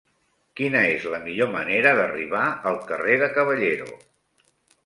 Quina és la millor manera d'arribar al carrer de Caballero?